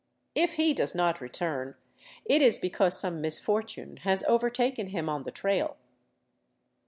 If he does not return, it is because some misfortune has overtaken him on the trail.